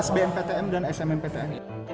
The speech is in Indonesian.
sbm ptm dan smm ptm